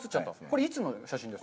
これはいつの写真ですか。